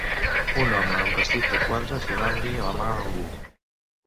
un home amb vestit de quadres donant-li la mà a algú.